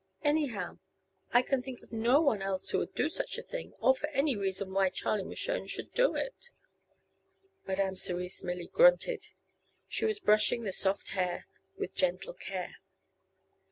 Anyhow, I can think of no one else who would do such a thing, or of any reason why Charlie Mershone should do it." Madame Cerise merely grunted. She was brushing the soft hair with gentle care.